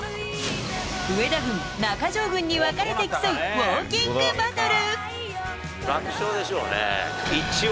上田軍、中条軍に分かれて競うウォーキングバトル。